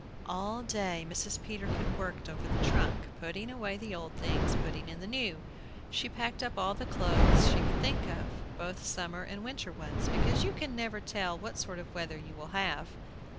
All day Mrs. Peterkin worked over the trunk, putting away the old things, putting in the new. She packed up all the clothes she could think of, both summer and winter ones, because you never can tell what sort of weather you will have.